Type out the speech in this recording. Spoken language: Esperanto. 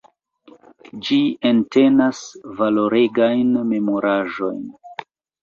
Ĝi entenas valoregajn memoraĵojn.